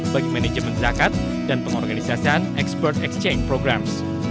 bagi manajemen zakat dan pengorganisasian expert exchange program